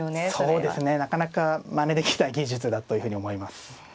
そうですねなかなかまねできない技術だというふうに思います。